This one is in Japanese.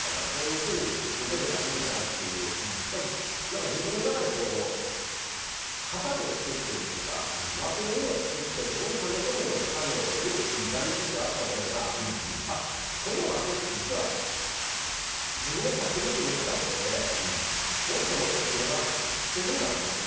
こういうふうに見せればいいんだなと自分の中で型を作っているというか枠組みを作ってそこにはめ込むような作業になりつつあったものがこの枠って実は自分が勝手に決めていたものでもっともっと広がっているんだな